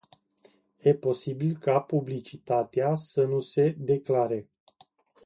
E posibil ca publicitatea să nu se declare.